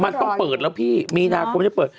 มันต้องเปิดแล้วพี่มีนาคมไม่ได้เปิด